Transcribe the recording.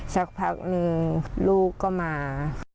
สักพักหนึ่งลูกก็มา